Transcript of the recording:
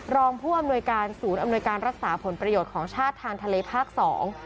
รองผู้อำนวยการศูนย์อำนวยการรักษาผลประโยชน์ของชาติทางทะเลภาคสอง